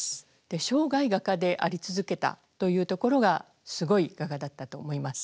で生涯画家であり続けたというところがすごい画家だったと思います。